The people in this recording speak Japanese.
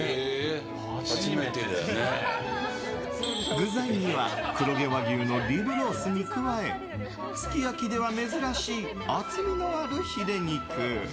具材には黒毛和牛のリブロースに加えすき焼きでは珍しい厚みのあるヒレ肉。